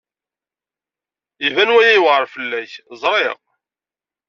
Iban waya yewɛeṛ fell-ak, ẓriɣ.